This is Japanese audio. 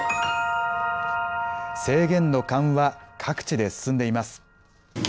制限の緩和、各地で進んでいます。